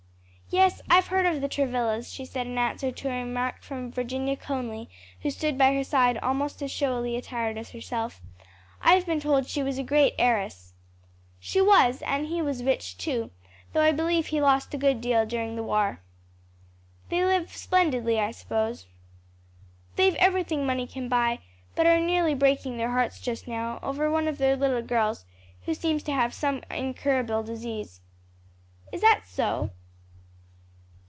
"Yes, I've heard of the Travillas," she said in answer to a remark from Virginia Conly who stood by her side almost as showily attired as herself, "I've been told she was a great heiress." "She was; and he was rich too; though I believe he lost a good deal during the war." "They live splendidly, I suppose?" "They've everything money can buy, but are nearly breaking their hearts just now, over one of their little girls who seems to have some incurable disease." "Is that so?